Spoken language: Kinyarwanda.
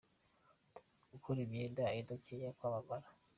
Gukora imyenda adateganya kwamamara.